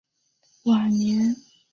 晚年在广东应元书院讲学。